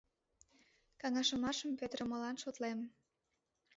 — Каҥашымашым петырымылан шотлем.